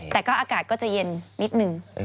แต่ก็อากาศก็จะเย็นนิดนึง